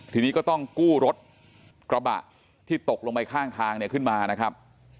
ทีนี้ก็ต้องกู้รถกระบะที่ตกลงไปข้างทางเนี่ยขึ้นมานะครับ